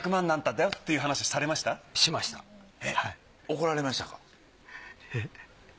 怒られました？